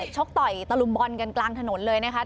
ชกต่อยตะลุมบอลกันกลางถนนเลยนะคะ